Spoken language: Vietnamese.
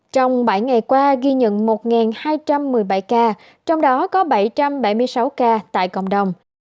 trong bảy ngày qua ghi nhận một hai trăm một mươi bảy ca trong đó có bảy trăm bảy mươi sáu ca tại cộng đồng